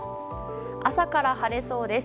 朝から晴れそうです。